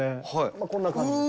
まあ、こんな感じですね。